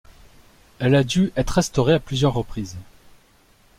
Elle a dû être restaurée à plusieurs reprises.